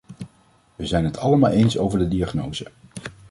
We zijn het allemaal eens over de diagnose.